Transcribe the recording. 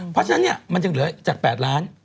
เพราะฉะนั้นเนี่ยมันจึงเหลือจาก๘ล้าน